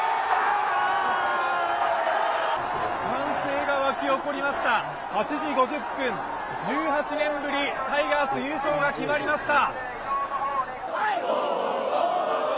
歓声が沸き起こりました、８時５０分、１８年ぶり、タイガース優勝が決まりました。